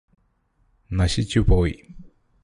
നശിച്ചു പോയി